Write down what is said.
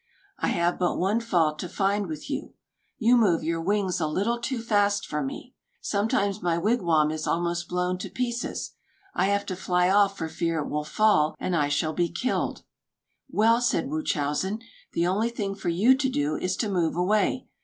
I have but one fault to find with you. You move your wings a little too fast for me. Sometimes my wigwam is almost blown to pieces. I have to fly off for fear it will fall, and I shall be killed." "Well," said Wūchowsen, "the only thing for you to do, is to move away.